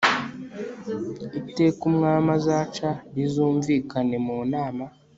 iteka umwami aca rizumvikane mu nama